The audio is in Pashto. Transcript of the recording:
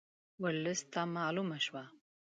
ورلسټ ته معلومه شوه.